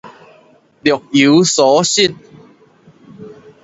若有所失